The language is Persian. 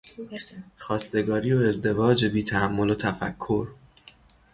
خواستگاری و ازدواج بی تامل و تفکر